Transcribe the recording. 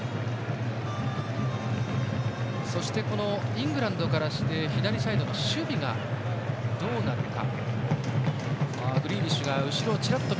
そして、イングランドからして左サイドの守備がどうなるか。